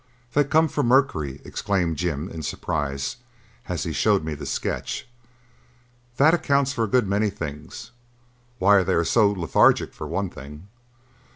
"They come from Mercury," exclaimed Jim in surprise as he showed me the sketch. "That accounts for a good many things; why they are so lethargic, for one thing.